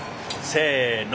せの。